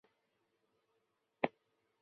那不勒斯港也是一座重要的客运港。